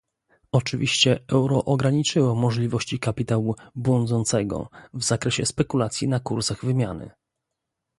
Oczywiście euro ograniczyło możliwości kapitału "błądzącego" w zakresie spekulacji na kursach wymiany